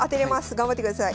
頑張ってください。